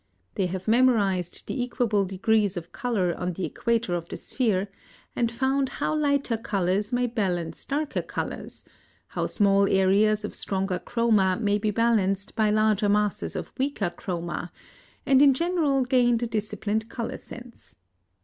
They have memorized the equable degrees of color on the equator of the sphere, and found how lighter colors may balance darker colors, how small areas of stronger chroma may be balanced by larger masses of weaker chroma, and in general gained a disciplined color sense.